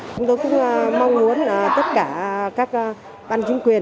chúng tôi cũng mong muốn tất cả các ban chính quyền